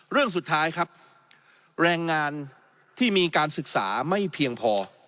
เรื่องสุดท้ายครับแรงงานที่มีการศึกษาไม่เพียงพอ